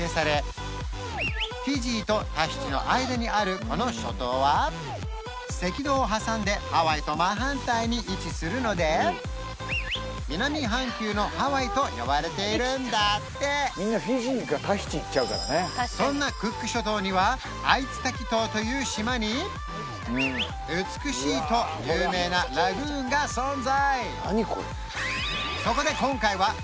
フィジーとタヒチの間にあるこの諸島は赤道を挟んでハワイと真反対に位置するので南半球のハワイと呼ばれているんだってそんなクック諸島にはアイツタキ島という島に美しいと有名なラグーンが存在